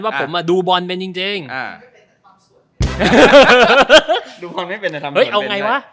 ว่าผมอ่ะดูบอลเป็นจริงจริงอ่าดูบอลไม่เป็นเออเอาไงวะ